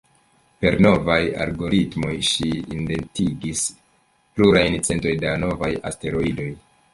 Per novaj algoritmoj ŝi identigis plurajn centojn da novaj asteroidoj.